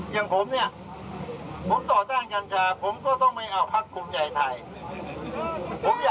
อย่างผมเนี่ยผมต่อต้านกัญชาผมก็ต้องไม่เอาพักภูมิใจไทย